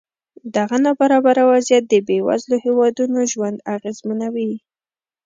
دغه نابرابره وضعیت د بېوزلو هېوادونو ژوند اغېزمنوي.